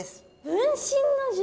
分身の術？